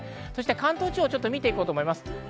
関東地方を見ていこうと思います。